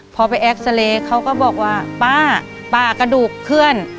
พอไปเอ็กซาเรย์เขาก็บอกว่าป้าป้ากระดูกเพื่อน